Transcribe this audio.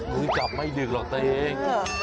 คือกลับไม่ดึกหรอกเธอเอง